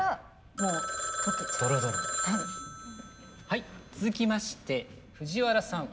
はい続きまして藤原さん